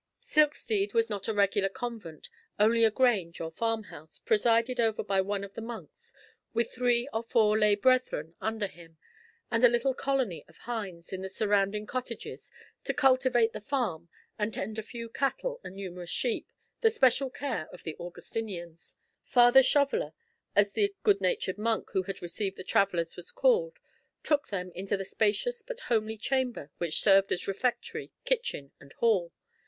Silkstede was not a regular convent, only a grange or farm house, presided over by one of the monks, with three or four lay brethren under him, and a little colony of hinds, in the surrounding cottages, to cultivate the farm, and tend a few cattle and numerous sheep, the special care of the Augustinians. Father Shoveller, as the good natured monk who had received the travellers was called, took them into the spacious but homely chamber which served as refectory, kitchen, and hall.